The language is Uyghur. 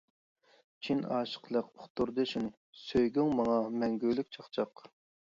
چىن ئاشىقلىق ئۇقتۇردى شۇنى، سۆيگۈڭ ماڭا مەڭگۈلۈك چاقچاق.